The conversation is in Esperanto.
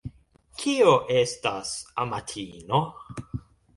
Kio estas amatino?